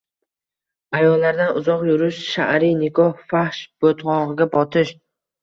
Ayollardan uzoq yurish – shar’iy nikoh – fahsh botqog‘iga botish.